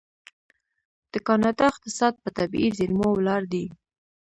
د کاناډا اقتصاد په طبیعي زیرمو ولاړ دی.